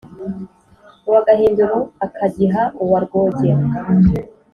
uwa gahindiro akagiha uwa rwógéra